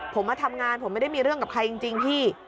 ผมมาทำงานผมไม่ได้มีเรื่องกับใครจริงพี่